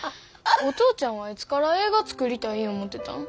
お父ちゃんはいつから映画作りたい思うてたん？